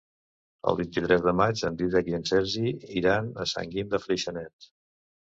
El vint-i-tres de maig en Dídac i en Sergi iran a Sant Guim de Freixenet.